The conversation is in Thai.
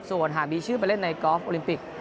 ส่วนหากมีชื่อไปเล่นในกอล์ฟโอลิมปิก